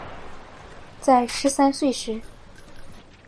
在十三岁时